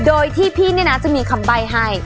โอเคไปดูในตรงนี้สิค่ะ